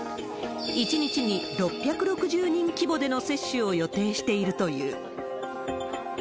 １日に６６０人規模での接種を予定しているという。